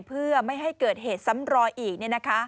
เพื่อไม่ให้เกิดเหตุซ้ำรอยอีก